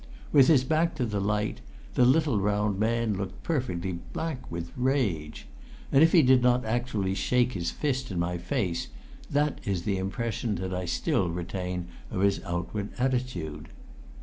With his back to the light, the little round man looked perfectly black with rage; and if he did not actually shake his fist in my face, that is the impression that I still retain of his outward attitude.